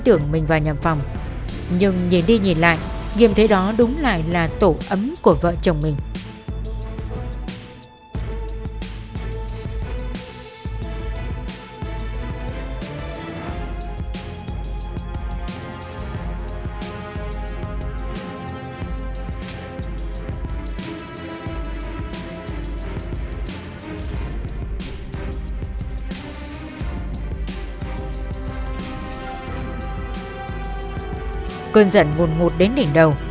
cơn giận mùn mụt đến đỉnh đầu